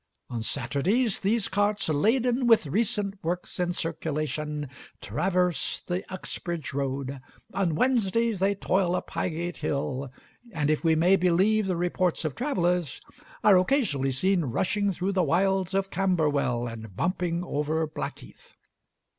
On Saturdays these carts, laden with "recent works in circulation," traverse the Uxbridge Road; on Wednesdays they toil up Highgate Hill, and if we may believe the reports of travelers, are occasionally seen rushing through the wilds of Camberwell and bumping over Blackheath.